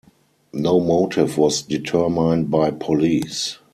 No motive was determined by police.